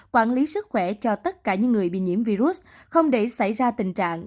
quản lý sức khỏe cho tất cả những người bị nhiễm virus không để xảy ra tình trạng